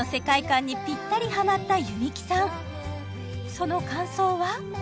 その感想は？